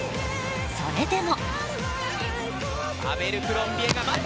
それでも。